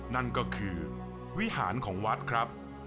นั่นก็คือวิหารของวัดครับ